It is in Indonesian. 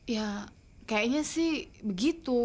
ya kayaknya sih begitu